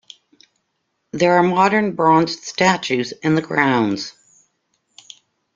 There are modern bronze statues in the grounds.